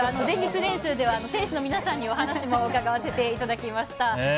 前日練習では選手の皆さんにお話も伺わせていただきました。